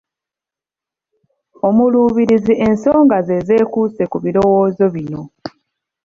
Omuluubirizi ensonga ze zeekuuse ku birowoozo bino: